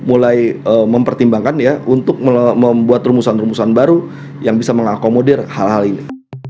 mulai mempertimbangkan ya untuk membuat rumusan rumusan baru yang bisa mengakomodir hal hal ini